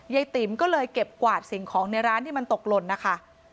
ติ๋มก็เลยเก็บกวาดสิ่งของในร้านที่มันตกหล่นนะคะ